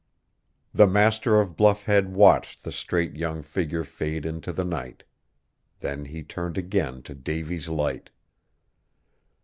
'" The master of Bluff Head watched the straight young figure fade into the night. Then he turned again to Davy's Light.